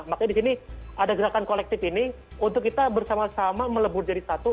makanya di sini ada gerakan kolektif ini untuk kita bersama sama melebur jadi satu